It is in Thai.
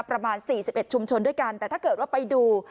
ประมาณ๔๑ชุมชนด้วยกันแต่ถ้าเกิดว่าไปดู